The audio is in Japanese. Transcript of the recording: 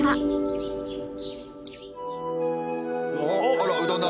あらうどんだ！